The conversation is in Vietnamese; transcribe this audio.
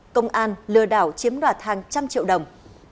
công an lừa đảo chiếm đoạt hàng trăm triệu đồng